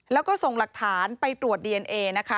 แล้วก็ส่งหลักฐานไปตรวจดีเอนเอนะคะ